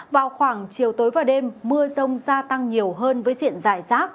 vào khoảng chiều tối và đêm mưa rông gia tăng nhiều hơn với diện dài sát